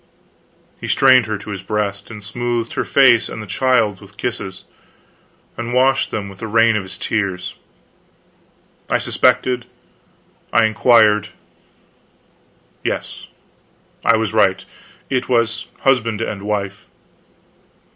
He strained her to his breast, and smothered her face and the child's with kisses, and washed them with the rain of his tears. I suspected. I inquired. Yes, I was right; it was husband and wife.